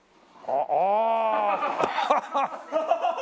ああ。